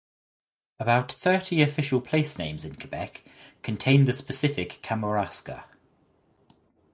About thirty official place names in Quebec contain the specific Kamouraska.